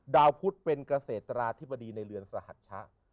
ดาวพุทธเป็นเกษตราธิบดีในเรือนสหัชชะ